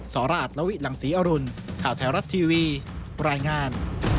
สราชละวิหลังศรีอรุณข่าวไทยรัฐทีวีรายงาน